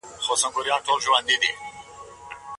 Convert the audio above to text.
په کوم کتاب کي دا مسئله ذکر سوې ده؟